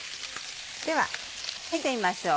では見てみましょう。